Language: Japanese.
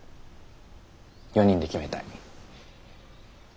４人で決めたい。